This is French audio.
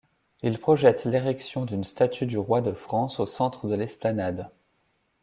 Il projette l'érection d'une statue du roi de France au centre de l'esplanade.